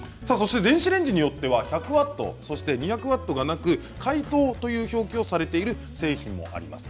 電子レンジによっては１００ワット２００ワットがなく解凍という表記をされている製品もあります。